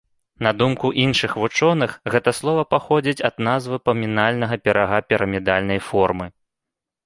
На думку іншых вучоных, гэта слова паходзіць ад назвы памінальнага пірага пірамідальнай формы.